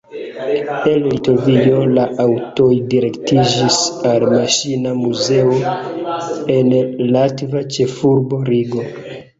El Litovio la aŭtoj direktiĝis al maŝina muzeo en latva ĉefurbo Rigo.